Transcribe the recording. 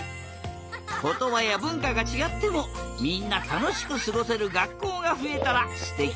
ことばやぶんかがちがってもみんなたのしくすごせるがっこうがふえたらすてきだな！